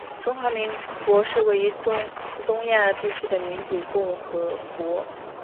中华民国是位于东亚地区的民主共和国